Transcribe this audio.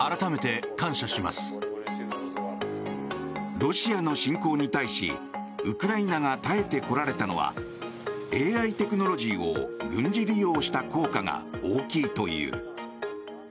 ロシアの侵攻に対しウクライナが耐えてこられたのはＡＩテクノロジーを軍事利用した効果が大きいという。